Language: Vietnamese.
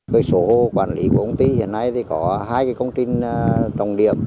với số hồ quản lý của công ty hiện nay có hai công trình đồng điểm